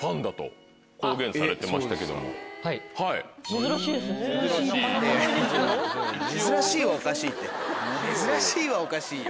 珍しいはおかしいよ。